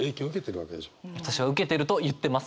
私は受けてると言ってます